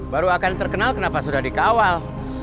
baru akan terkenal kenapa sudah dikawal